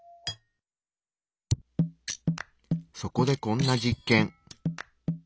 そこでこんな実験。